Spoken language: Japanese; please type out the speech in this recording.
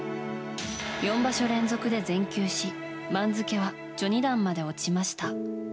４場所連続で全休し番付は序二段まで落ちました。